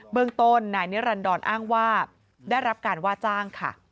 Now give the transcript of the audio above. เมืองต้นนายนิรันดรอ้างว่าได้รับการว่าจ้างค่ะ